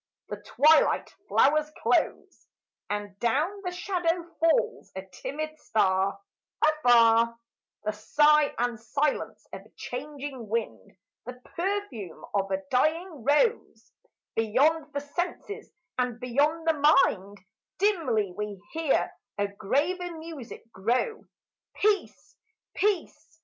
88 PASTORAL The twilight flowers close And down the shadow falls a timid star; Afar The sigh and silence of a changing wind, The perfume of a dying rose Beyond the senses and beyond the mind Dimly we hear a graver music grow, Peace ! Peace